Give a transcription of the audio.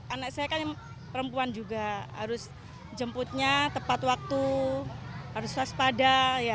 anak saya kan perempuan juga harus jemputnya tepat waktu harus waspada